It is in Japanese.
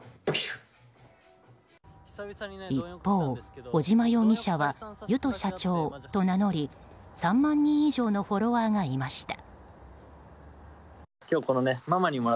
一方、尾島容疑者はゆとしゃちょーと名乗り３万人以上のフォロワーがいました。